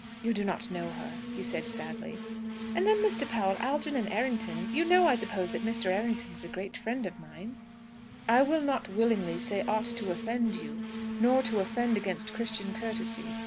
"You do not know her," he said sadly. "And then, Mr. Powell, Algernon Errington you know, I suppose, that Mr. Errington is a great friend of mine?" "I will not willingly say aught to offend you, nor to offend against Christian courtesy.